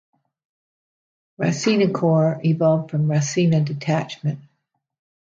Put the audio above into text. Rasina Corps evolved from Rasina Detachment.